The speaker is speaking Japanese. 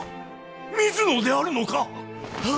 み水野であるのか？